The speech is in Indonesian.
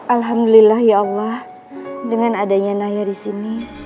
alhamdulillah ya allah dengan adanya naya di sini